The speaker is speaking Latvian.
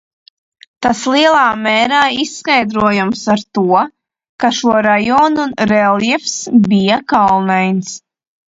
Tas lielā mērā izskaidrojams ar to, ka šo rajonu reljefs bija kalnains.